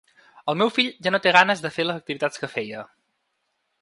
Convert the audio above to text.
El meu fill ja no té ganes de fer les activitats que feia.